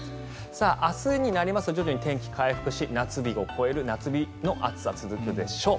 明日になりますと徐々に天気、回復し夏日の暑さが続くでしょう。